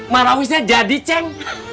marawisnya jadi ceng